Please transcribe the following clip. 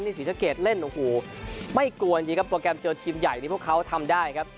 นี่ศรีสะเกดเล่นไม่กวนยิงครับโปรแกรมเจอทีมใหญ่ที่พวกเขาทำได้ครับ